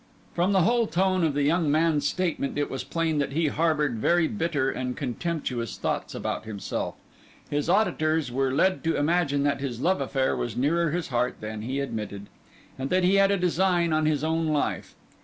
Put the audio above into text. From the whole tone of the young man's statement it was plain that he harboured very bitter and contemptuous thoughts about himself. His auditors were led to imagine that his love affair was nearer his heart than he admitted, and that he had a design on his own life.